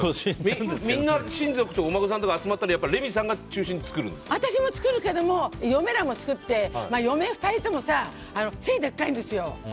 みんな、親族とかお孫さんとか集まったら私も作るけども嫁らも作って嫁は２人ともさ、すごくでっかいんですよ。